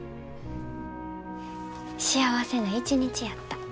幸せな一日やった。